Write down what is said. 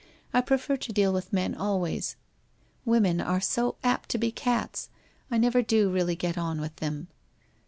I prefer to deal with men always. Women are so apt to be cats. I never do really get on with them.'